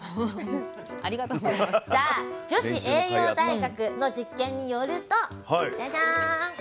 さあ女子栄養大学の実験によるとジャジャーン。